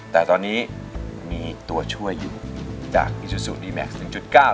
แต่ตอนนี้มีตัวช่วยอยู่จากอีซูซูดีแม็กซ์หนึ่งจุดเก้า